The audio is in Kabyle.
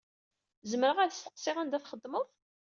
Zemreɣ ad steqsiɣ anda txedmeḍ?